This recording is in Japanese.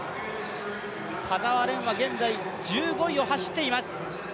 田澤廉は現在１５位を走っています。